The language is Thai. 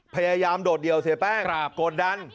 พยายามโดดเดียวเสียแป้งกดดัน